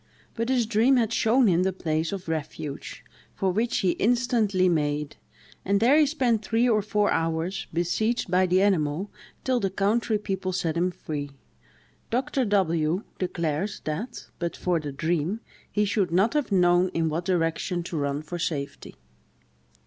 But his dream had shown him the place of refuge, for which he instantly made; and there he spent three or four hours, besieged by the animal, till the country people set him free. Dr. W—— declares that, but for the dream, he should not have known in what direction to run for safety.